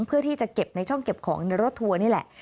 เพื่อที่จะเก็บในช่องเก็บของในรถทัวร์นี่แหละ